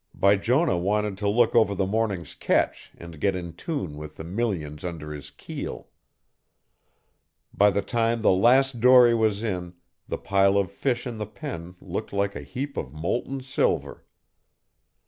Bijonah wanted to look over the morning's catch and get in tune with the millions under his keel. By the time the last dory was in, the pile of fish in the pen looked like a heap of molten silver.